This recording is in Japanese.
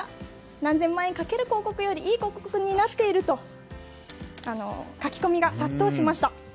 何千万円かける広告よりいい広告になっていると書き込みが殺到しました。